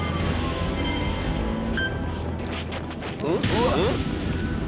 うわっ！